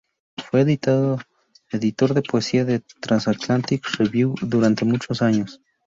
Fue editor de poesía de "Transatlantic Review" durante muchos años.